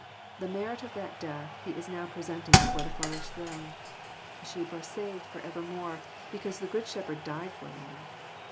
The merit of that death He is now presenting before the Father's throne. The sheep are saved for evermore, because the Good Shepherd died for them.